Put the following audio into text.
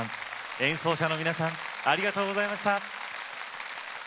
演奏者の皆さんありがとうございました。